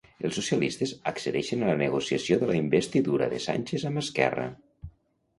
Els socialistes accedeixen a la negociació de la investidura de Sánchez amb Esquerra.